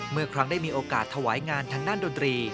เมื่อครั้งได้มีโอกาสถวายงานทางด้านดนตรี